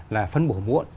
là phân bổ muộn